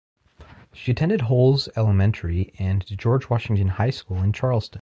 She attended Holz Elementary and George Washington High School in Charleston.